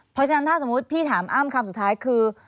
เพราะฉะนั้นถ้าสมมุติพี่ถามอ้ำคำสุดท้ายคือ